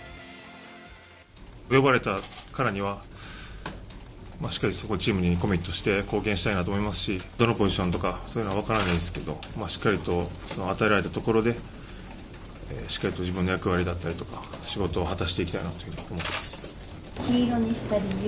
呼ばれたからにはしっかりチームにコミットして貢献したいなと思いますしどのポジションとかそういうのは分からないですけどしっかりと与えられたところでしっかりと自分の役割だったりとか仕事を果たしていきたいと思っています。